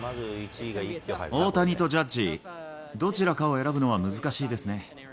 大谷とジャッジ、どちらかを選ぶのは難しいですね。